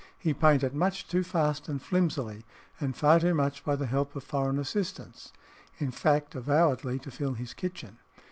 He painted much too fast and flimsily, and far too much by the help of foreign assistants in fact, avowedly to fill his kitchen.